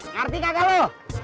ngerti kagak lu